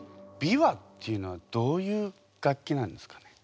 琵琶っていうのはどういう楽器なんですかね？